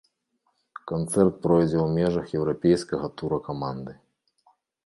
Канцэрт пройдзе ў межах еўрапейскага тура каманды.